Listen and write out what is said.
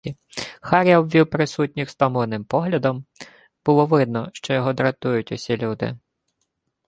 Харя обвів присутніх стомленим поглядом — було видно, що його дратують осі люди.